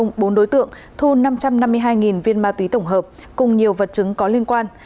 bắt giữ thành công bốn đối tượng thu năm trăm năm mươi hai viên ma túy tổng hợp cùng nhiều vật chứng có liên quan